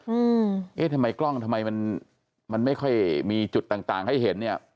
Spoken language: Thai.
อืมเอ๊ะทำไมกล้องทำไมมันมันไม่ค่อยมีจุดต่างต่างให้เห็นเนี้ย